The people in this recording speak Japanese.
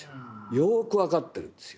よく分かってるんですよ。